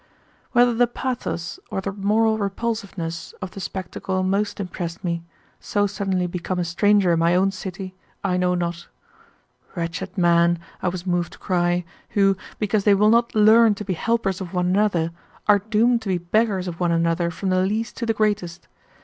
Whether the pathos or the moral repulsiveness of the spectacle most impressed me, so suddenly become a stranger in my own city, I know not. Wretched men, I was moved to cry, who, because they will not learn to be helpers of one another, are doomed to be beggars of one another from the least to the greatest!